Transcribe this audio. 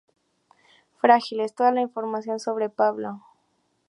Frágiles: Toda la información sobre Pablo